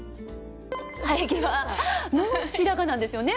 生え際白髪なんですよね